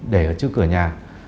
để ở trước cửa nhà